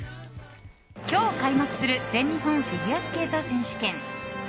今日、開幕する全日本フィギュアスケート選手権。